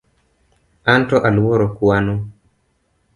Anto aluoro kuano